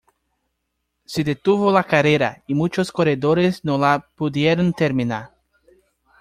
Se detuvo la carrera, y muchos corredores no la pudieron terminar.